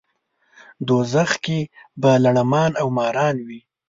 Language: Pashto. دوزخ کې به لړمان او ماران وي.